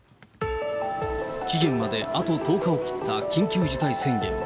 期限まであと１０日を切った緊急事態宣言。